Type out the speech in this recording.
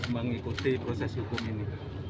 mengikuti proses hukum ini